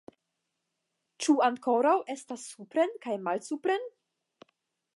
Ĉu ankoraŭ estas supren kaj malsupren?